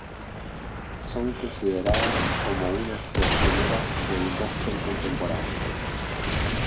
Son consideradas como unas de las pioneras del gospel contemporáneo.